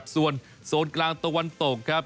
ส่วนโซนกลางตะวันตกครับ